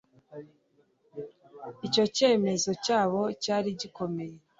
icyo cyemezo cyabo cyari gikomeye